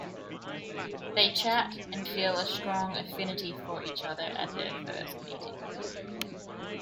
They chat and feel a strong affinity for each other at their first meeting.